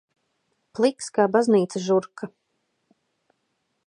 Pliks kā baznīcas žurka.